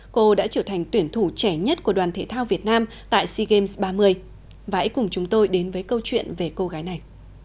cô đã trở thành tuyển thủ trẻ nhất của đoàn thể thao việt nam tại sea games ba mươi và hãy cùng chúng tôi đến với câu chuyện về cô gái này